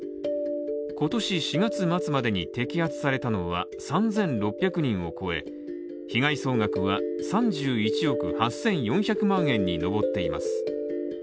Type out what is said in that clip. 今年４月末までに摘発されたのは３６００人を超え被害総額は３１億８４００万円に上っています